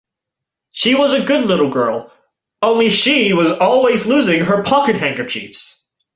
She was a good little girl — only she was always losing her pocket-handkerchiefs!